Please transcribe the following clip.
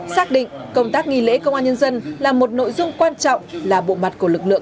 xác định công tác nghi lễ công an nhân dân là một nội dung quan trọng là bộ mặt của lực lượng